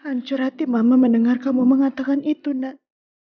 hai hancur hati mama mendengar kamu mengatakan itu nat